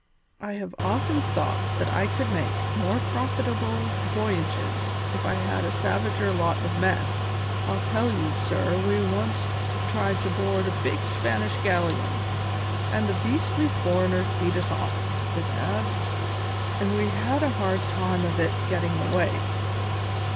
I have often thought that I could make more profitable voyages if I had a savager lot of men. I'll tell you, sir, we once tried to board a big Spanish galleon, and the beastly foreigners beat us off, bedad, and we had a hard time of it gettin' away.